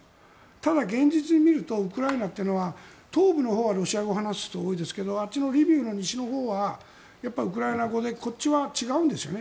ただ、現実に見るとウクライナというのは東部のほうはロシア語を話す人が多いですがあっちのリビウの西のほうはやっぱりウクライナ語でこっちは違うんですよね